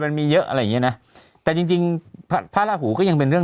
มันมีเยอะอะไรอย่างเงี้ยน่ะแต่จริงภารถหูก็ยังเป็น